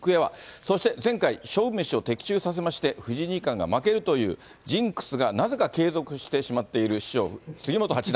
そして前回勝負メシを的中させまして、藤井二冠が負けるというジンクスがなぜか継続してしまっている師匠、杉本八段。